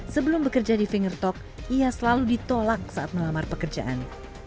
sebelum bekerja di finger talk ia selalu ditolak saat melamar pekerjaan